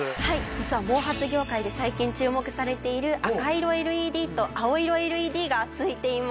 実は毛髪業界で最近注目されている赤色ＬＥＤと青色ＬＥＤがついています。